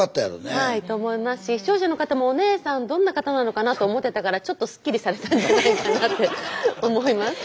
はいと思いますし視聴者の方もおねえさんどんな方なのかなと思ってたからちょっとすっきりされたんじゃないかなって思います。